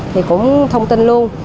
thì cũng thông tin luôn